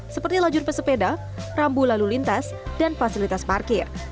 seperti lajur pesepeda rambu lalu lintas dan fasilitas parkir